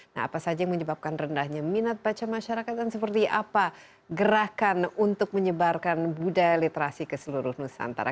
nah apa saja yang menyebabkan rendahnya minat baca masyarakat dan seperti apa gerakan untuk menyebarkan budaya literasi ke seluruh nusantara